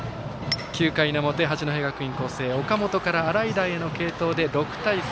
９回の表、八戸学院光星岡本から洗平への継投で６対３。